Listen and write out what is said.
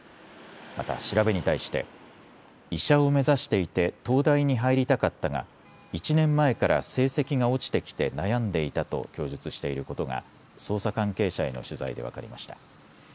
また調べに対して医者を目指していて東大に入りたかったが１年前から成績が落ちてきて悩んでいたと供述していることが捜査関係者への取材で分かりました。